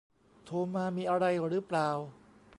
โทรมามีอะไรหรือเปล่า